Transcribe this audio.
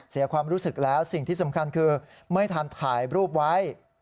เสียความรู้สึกแล้วสิ่งที่สำคัญคือไม่ทันถ่ายรูปไว้